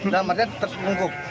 dalam airnya terus terbungkuk